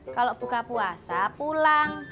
kalau buka puasa pulang